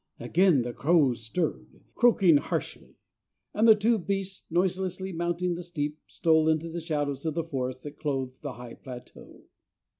Again the crows stirred, croaking harshly; and the two beasts, noiselessly mounting the steep, stole into the shadows of the forest that clothed the high plateau.